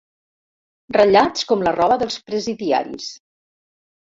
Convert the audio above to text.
Ratllats com la roba dels presidiaris.